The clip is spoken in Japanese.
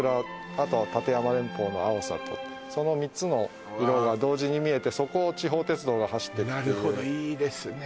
あとは立山連峰の青さとその３つの色が同時に見えてそこを地方鉄道が走ってくっていうなるほどいいですね